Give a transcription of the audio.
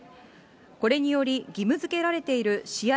これにより、義務づけられている試合